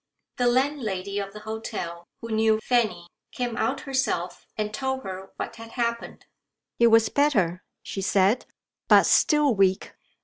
The landlady of the hotel, who knew Fanny, came out herself and told her what had happened. "He was better," she said, "but still weak.